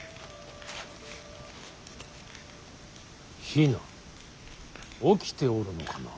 比奈起きておるのかな。